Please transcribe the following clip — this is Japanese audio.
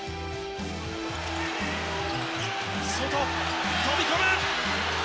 外、飛び込む。